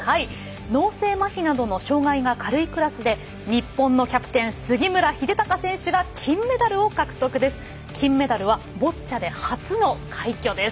脳性まひなどの障がいが軽いクラスで日本のキャプテン杉村英孝選手が金メダルを獲得です。